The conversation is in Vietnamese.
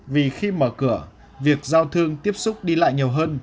vì khi mở cửa việc giao thương tiếp xúc đi lại nhiều hơn